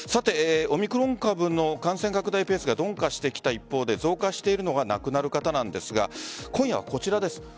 オミクロン株の感染拡大ペースが鈍化してきた一方で増加しているのが亡くなる方なんですが今夜はこちらです。